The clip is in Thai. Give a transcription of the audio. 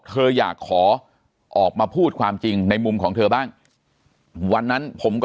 เธออยากขอออกมาพูดความจริงในมุมของเธอบ้างวันนั้นผมก็